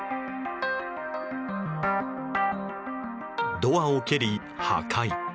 ドアを蹴り、破壊。